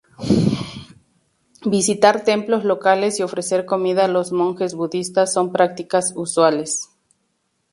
Visitar templos locales y ofrecer comida a los monjes budistas son prácticas usuales.